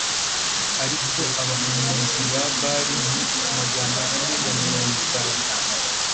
ariko abahanuzi ba Bāli ni magana ane na mirongo itanu